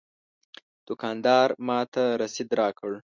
دوکاندار ماته رسید راکړ.